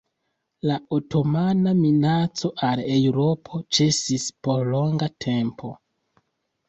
La otomana minaco al Eŭropo ĉesis por longa tempo.